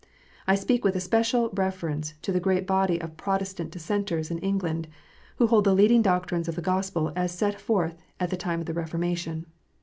I speak with especial reference to the great body of Protestant Dissenters in England, who hold the leading doctrines of the Gospel as set forth at the time of the Reformation.